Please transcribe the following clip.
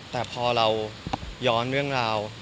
แต่พอเราย้อนเรื่องราว